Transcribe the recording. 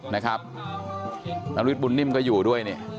นางวิทย์บุญนิมก็อยู่ด้วย